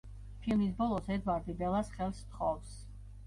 ფილმის ბოლოს ედვარდი ბელას ხელს სთხოვს.